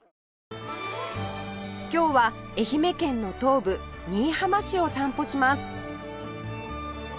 今日は愛媛県の東部新居浜市を散歩します